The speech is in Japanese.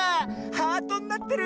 ハートになってる！